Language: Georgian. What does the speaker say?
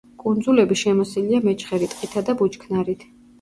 კუნძულები შემოსილია მეჩხერი ტყითა და ბუჩქნარით.